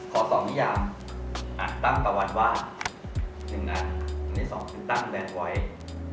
ขอสอบพี่ยามตั้งตะวันวาด๑อันอันนี้๒คือตั้งแบดไวท์